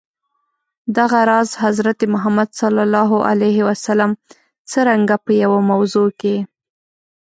دغه راز، حضرت محمد ص څرنګه په یوه موضوع کي.